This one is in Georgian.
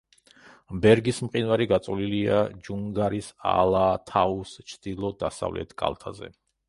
ბერგის მყინვარი გაწოლილია ჯუნგარის ალათაუს ჩრდილო-დასავლეთ კალთაზე.